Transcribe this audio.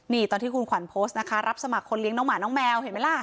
นี่ตอนที่คุณขวัญโพสต์นะคะรับสมัครคนเลี้ยงน้องหมาน้องแมวเห็นไหมล่ะ